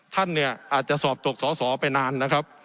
ท่านเนี่ยอาจจะสอบตกสอสอไปนานนะครับ